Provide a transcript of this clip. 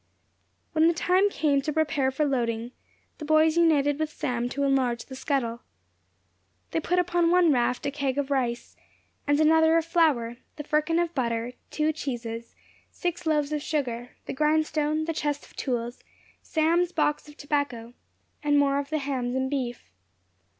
When the time came to prepare for loading, the boys united with Sam to enlarge the scuttle. They put upon one raft a keg of rice, and another of flour, the firkin of butter, two cheeses, six loaves of sugar, the grindstone, the chest of tools, Sam's box of tobacco, and more of the hams and beef.